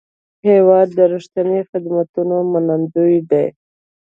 هېواد د رښتیني خدمتونو منندوی دی.